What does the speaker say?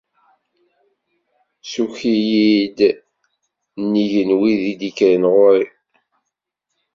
Ssukk-iyi-d nnig n wid i d-ikkren ɣur-i.